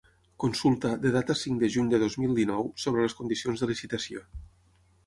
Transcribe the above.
Consulta, de data cinc de juny de dos mil dinou, sobre les condicions de licitació.